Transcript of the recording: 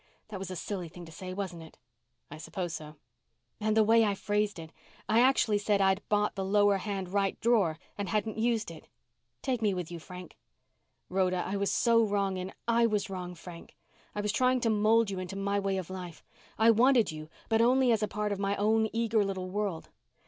That was a silly thing to say, wasn't it?" "I suppose so." "And the way I phrased it. I actually said I'd bought the lower right hand drawer and hadn't used it take me with you, Frank." "Rhoda, I was so wrong in " "I was wrong, Frank. I was trying to mold you into my way of life. I wanted you, but only as a part of my own eager little world.